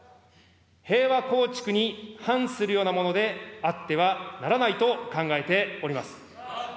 平和構築に反するようなものであってはならないと考えております。